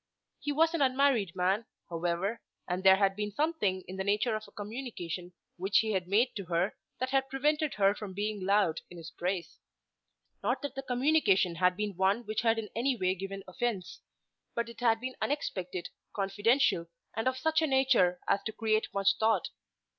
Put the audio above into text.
He was an unmarried man, however, and there had been something in the nature of a communication which he had made to her, that had prevented her from being loud in his praise. Not that the communication had been one which had in any way given offence; but it had been unexpected, confidential, and of such a nature as to create much thought.